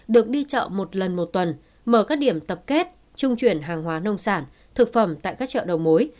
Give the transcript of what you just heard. được đi chợ một lần một tuần mở các điểm tập kết trung chuyển hàng hóa nông sản thực phẩm tại các chợ đầu mối